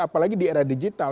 apalagi di era digital